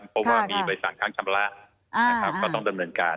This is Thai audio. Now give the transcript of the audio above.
เพราะว่ามีใบสั่งครั้งชำระนะครับก็ต้องจำเนินการ